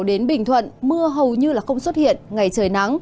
đến bình thuận mưa hầu như không xuất hiện ngày trời nắng